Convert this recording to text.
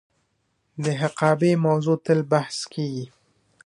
د حقابې موضوع تل بحث کیږي.